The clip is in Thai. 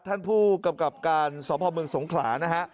ท่านผู้กำกับการสพเมืองสงขลานะฮะ